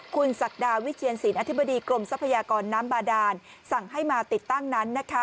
คุณศักดาวิเชียนศิลปอธิบดีกรมทรัพยากรน้ำบาดานสั่งให้มาติดตั้งนั้นนะคะ